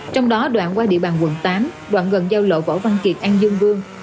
trong đó đoạn qua địa bàn quận tám đoạn gần giao lộ võ văn kiệt an dương vương